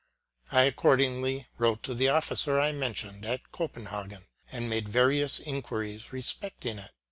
I accordingly wrote to the officer I have mentioned, at Copenhagen, and made various inquiries respecting it.